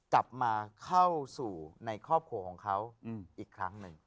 กลับมาเข้าสู่ในครอบครัวของเขาอีกครั้งหนึ่ง